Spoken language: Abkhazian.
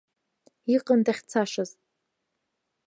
Иҟан дахьцашаз.